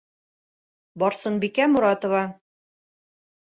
Барсынбикә Моратова.